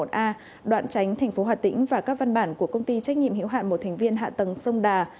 đoạn tránh thành phố hà tĩnh và các văn bản của công ty trách nhiệm hiệu hạn một thành viên hạ tầng sông đà